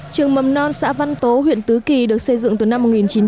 trường mầm non xã văn tố huyện tứ kỳ được xây dựng từ năm một nghìn chín trăm chín mươi